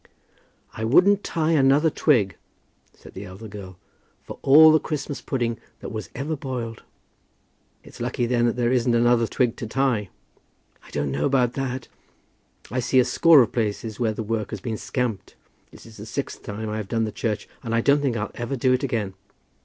"I wouldn't tie another twig," said the elder girl, "for all the Christmas pudding that was ever boiled." "It's lucky then that there isn't another twig to tie." "I don't know about that. I see a score of places where the work has been scamped. This is the sixth time I have done the church, and I don't think I'll ever do it again.